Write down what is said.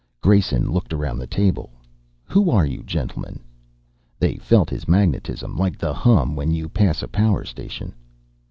Grayson looked around the table. "Who are you gentlemen?" They felt his magnetism, like the hum when you pass a power station.